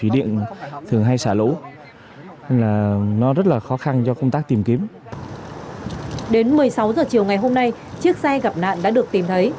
đến một mươi sáu h chiều ngày hôm nay chiếc xe gặp nạn đã được tìm thấy